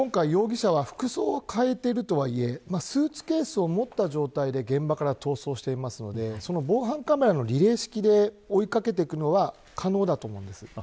今回、容疑者は服装を変えているとはいえスーツケースを持った状態で現場から逃走していますので防犯カメラのリレー式で追いかけていくのは可能だと思うんです。